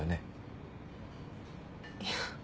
いや。